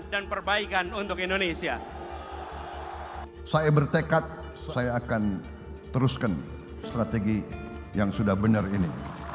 dan teruskan strategi yang sudah benar ini